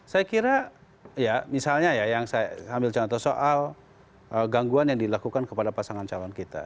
saya kira ya misalnya ya yang saya ambil contoh soal gangguan yang dilakukan kepada pasangan calon kita